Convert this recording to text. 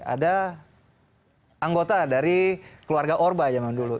ada anggota dari keluarga orba zaman dulu